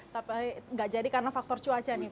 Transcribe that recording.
tapi nggak jadi karena faktor cuaca nih pak